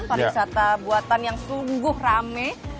pariwisata buatan yang sungguh rame